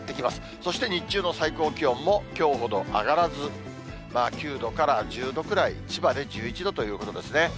そして日中の最高気温もきょうほど上がらず、９度から１０度くらい、千葉で１１度ということですね。